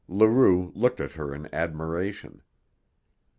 Leroux looked at her in admiration.